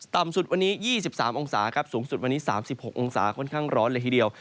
ต่ำสุดวันนี้๒๓องศาครับสูงสุดวันนี้๓๖องศาค่อนข้างร้อนเลยทีเดียว